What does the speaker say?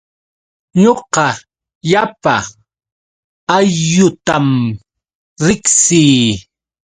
Ñuqa llapa aylluutam riqsii.